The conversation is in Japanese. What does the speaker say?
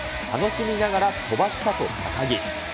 楽しみながら飛ばしたと高木。